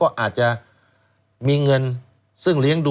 คุณนิวจดไว้หมื่นบาทต่อเดือนมีค่าเสี่ยงให้ด้วย